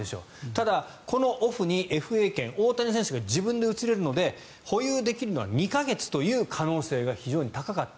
ただ、このオフにＦＡ権大谷選手が自分で移れるので保有できるのは２か月という可能性が非常に高かった。